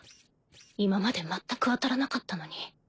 今までまったく当たらなかったのに。